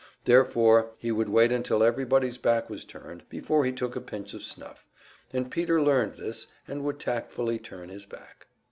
Therefore he would wait until everybody's back was turned before he took a pinch of snuff; and Peter learned this, and would tactfully turn his back.